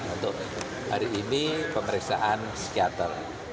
untuk hari ini pemeriksaan psikiater